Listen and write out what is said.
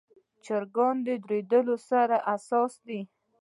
چرګان د وریدو سره حساس دي.